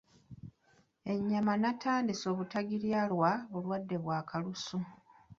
Ennyama nnatandise obutagirya lwa bulwadde bwa Kalusu.